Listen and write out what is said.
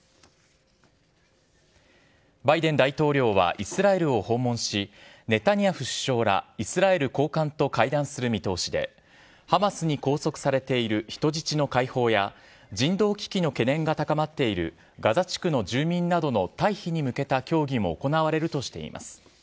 バイデン大統領はイスラエルを訪問し、ネタニヤフ首相らイスラエル高官と会談する見通しで、ハマスに拘束されている人質の解放や人道危機の懸念が高まっているガザ地区の住民などの退避に向けた協議も行われるとしています。